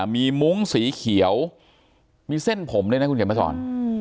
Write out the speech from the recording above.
มีมุ้งสีเขียวมีเส้นผมด้วยนะคุณเขียนมาสอน